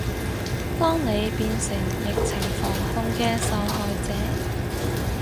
當你變成疫情防控嘅受害者